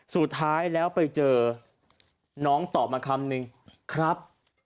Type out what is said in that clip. สุดท้ายแล้วไปเจอน้องตอบมาคำนึงครับ